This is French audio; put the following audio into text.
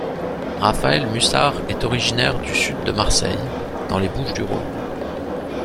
Raphaël Mussard est originaire du sud de Marseille, dans les Bouches-du-Rhône.